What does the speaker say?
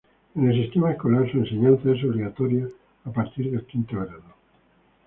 En el sistema escolar su enseñanza es obligatoria a partir del quinto grado.